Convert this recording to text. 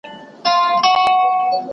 ولې ملي سوداګر طبي درمل له چین څخه واردوي؟